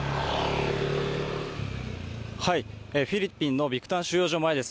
フィリピンのビクタン収容所前です。